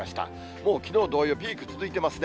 もうきのう同様、ピーク続いてますね。